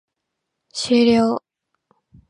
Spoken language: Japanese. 終了